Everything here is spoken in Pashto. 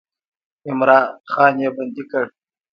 عمرا خان یې بندي کړ.